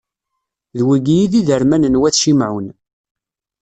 D wigi i d iderman n wat Cimɛun.